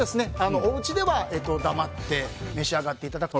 おうちでは黙って召し上がっていただくと。